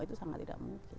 itu sangat tidak mungkin